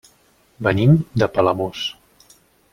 Venim de Palamós.